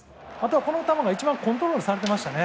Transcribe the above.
あとはこの球が一番コントロールされてましたね。